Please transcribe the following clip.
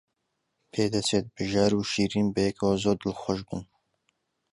پێدەچێت بژار و شیرین بەیەکەوە زۆر دڵخۆش بن.